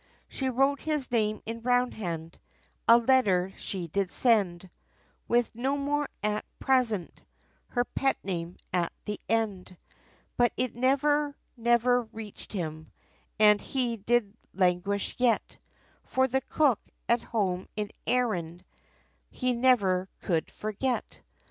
She wrote his name, in roundhand, A letter, she did send, With "No more now at present," Her pet name, at the end. But it never, never reached him, And he did languish yet, For the Cook, at home in Erin He never could forget.